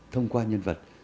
thông qua nhân vật